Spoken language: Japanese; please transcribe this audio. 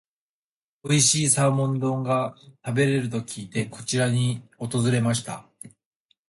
おいしいサーモン丼が食べれると聞いて、こちらに訪れました。